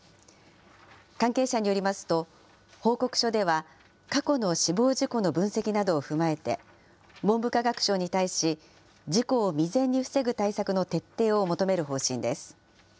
関係者によりますと、報告書では、過去の死亡事故の分析などを踏まえて、文部科学省に対し、事故を未然に防ぐ対策の徹底を求める方針です。